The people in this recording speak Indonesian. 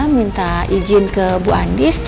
minta izin ke bu andis